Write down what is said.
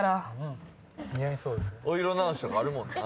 お色直しとかあるもんな。